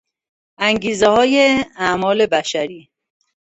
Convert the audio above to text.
انگیزههای اعمال بشری